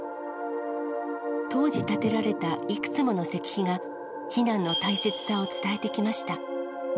当時、建てられたいくつもの石碑が、避難の大切さを伝えてきました。